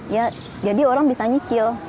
ya jadi orang bisa nyicil